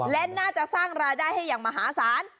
และน่าจะสร้างรายได้ให้อย่างมหาศาล